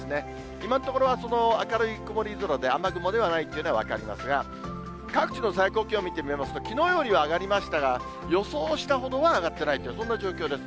今のところは明るい曇り空で、雨雲ではないっていうのは分かりますが、各地の最高気温見てみますと、きのうよりは上がりましたが、予想したほどは上がってないという、そんな状況です。